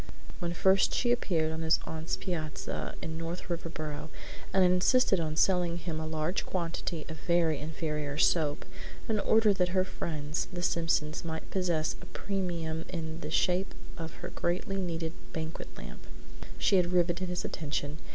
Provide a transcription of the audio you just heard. When first she appeared on his aunt's piazza in North Riverboro and insisted on selling him a large quantity of very inferior soap in order that her friends, the Simpsons, might possess a premium in the shape of a greatly needed banquet lamp, she had riveted his attention.